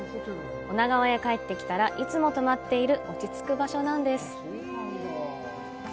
女川へ帰って来たらいつも泊まっている、落ち着く場所なんです。